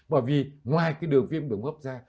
bởi vì ngoài cái đường viêm đường gấp ra